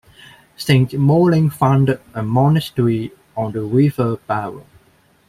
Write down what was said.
Saint Moling founded a monastery on the River Barrow.